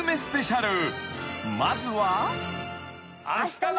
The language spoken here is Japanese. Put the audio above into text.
［まずは］